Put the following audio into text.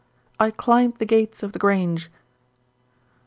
"I climbed the gates of The Grange."